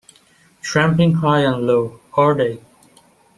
Tramping high and low, are they?